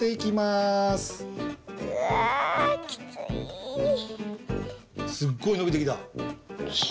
すっごいのびてきた。